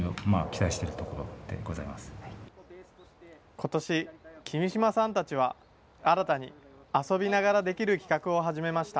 ことし、君島さんたちは、新たに遊びながらできる企画を始めました。